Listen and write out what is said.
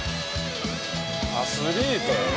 「アスリートやろ」